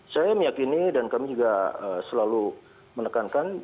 saya meyakini dan kami juga selalu menekankan